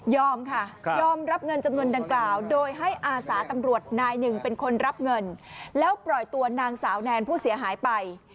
ยอมรับเงินจำนวนดังกล่าวโดยให้อาสาตำรวจนายหนึ่งเป็นคนรับเงินแล้วปล่อยตัวนางสาวแนนผู้เสียหายไป